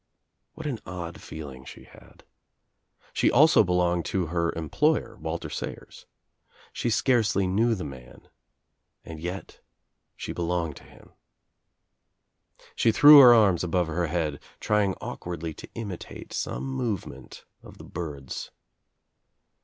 What an odd feeling she had. She also belonged to her employer, Walter Sayers. She scarcely knew the man and yet she belonged to him. I •, She threw her arms above her head, trying awkwardly I i^ to imitate some movement of the birds.